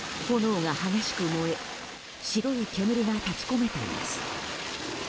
炎が激しく燃え白い煙が立ち込めています。